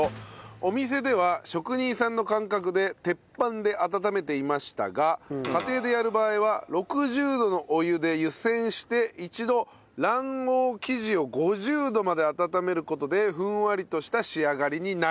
お店では職人さんの感覚で鉄板で温めていましたが家庭でやる場合は６０度のお湯で湯せんして一度卵黄生地を５０度まで温める事でふんわりとした仕上がりになると。